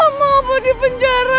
aku gak mau di penjara